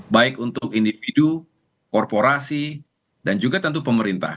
baik untuk individu korporasi dan juga tentu pemerintah